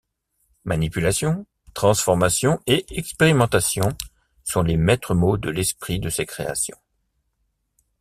Manipulation, transformation et expérimentation sont les maître-mots de l'esprit de ses créations.